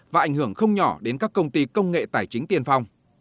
và ảnh hưởng không nhỏ đến các công ty công nghệ tài chính tiền phòng